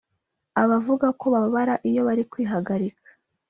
Abavuga ko bababara iyo bari kwihagarika